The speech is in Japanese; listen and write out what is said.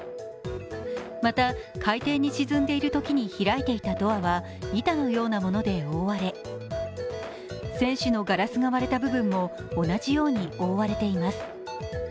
また海底に沈んでいるときに開いていたドアは板のようなもので覆われ、船首のガラスが割れた部分も同じように覆われています。